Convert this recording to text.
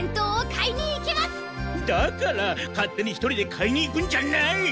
だから勝手に一人で買いに行くんじゃない！